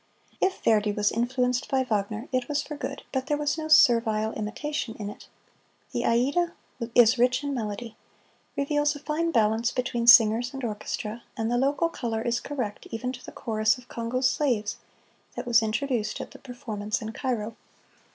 If Verdi was influenced by Wagner it was for good; but there was no servile imitation in it. The "Aida" is rich in melody, reveals a fine balance between singers and orchestra, and the "local color" is correct even to the chorus of Congo slaves that was introduced at the performance in Cairo.